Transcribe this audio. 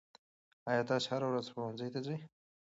آیا تاسې هره ورځ ښوونځي ته ځئ؟